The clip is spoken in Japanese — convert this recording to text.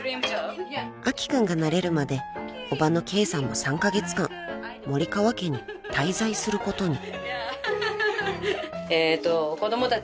［明希君が慣れるまで叔母のケイさんも３カ月間森川家に滞在することに］